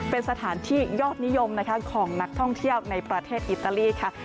เป็นสถานที่ยอดนิยมนะคะของนักท่องเที่ยวในประเทศอิตาลีค่ะ